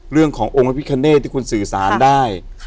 เรื่องขององค์พระพิคเนตที่คุณสื่อสารได้